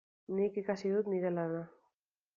Nik ikasi dut nire lana.